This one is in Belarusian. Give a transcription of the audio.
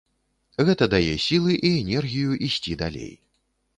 Гэта дае сілы і энергію ісці далей.